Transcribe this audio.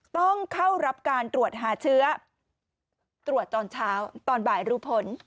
ต้องเข้ารับการตรวจหาเชื้อตรวจตอนเช้าตอนบ่ายรู้ผล